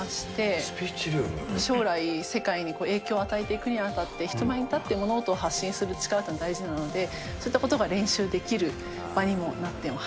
将来、世界に影響を与えていくにあたって、人前に立って物事を発信する力というのは大事なので、そういったことが練習できる場にもなっています。